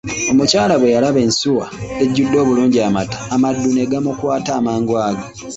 Omukyala bwe yalaba ensuwa ejjude obulungi amata, amaddu ne gamukwata amangu ago.